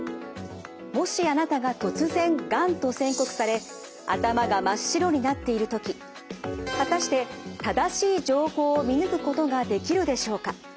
もしあなたが突然がんと宣告され頭が真っ白になっている時果たして正しい情報を見抜くことができるでしょうか？